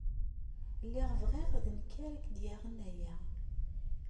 Lliɣ bɣiɣ d nekk ara ak-d-yaɣen aya.